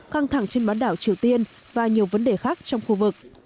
căng thẳng trên bán đảo triều tiên và nhiều vấn đề khác trong khu vực